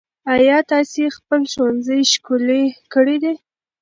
ايا تاسې خپل ښوونځی ښکلی کړی دی؟